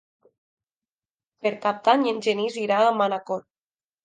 Per Cap d'Any en Genís irà a Manacor.